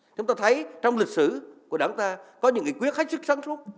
chúng ta thấy trong lịch sử của đảng ta có những nghị quyết khách sức sáng sốt